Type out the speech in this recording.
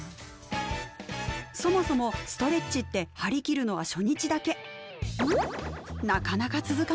そもそもストレッチって張り切るのは初日だけ。